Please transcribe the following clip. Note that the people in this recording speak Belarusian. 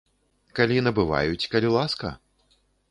Калі набываюць, калі ласка.